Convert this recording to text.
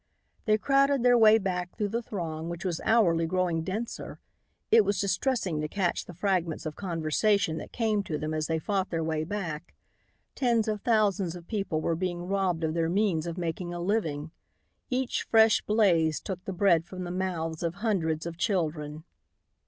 They crowded their way back through the throng which was hourly growing denser. It was distressing to catch the fragments of conversation that came to them as they fought their way back. Tens of thousands of people were being robbed of their means of making a living. Each fresh blaze took the bread from the mouths of hundreds of children.